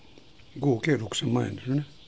合計６０００万円ですよね。